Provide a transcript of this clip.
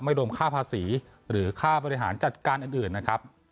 รวมค่าภาษีหรือค่าบริหารจัดการอื่นนะครับ